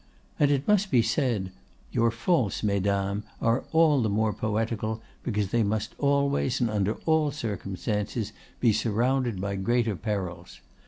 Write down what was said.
And it must be said, your faults, mesdames, are all the more poetical, because they must always and under all circumstances be surrounded by greater perils.